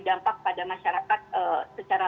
dampak pada masyarakat secara